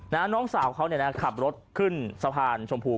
น้องสาวเขาเนี่ยนะขับรถขึ้นสะพานชมพู